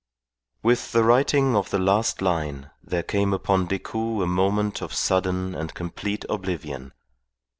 With the writing of the last line there came upon Decoud a moment of sudden and complete oblivion.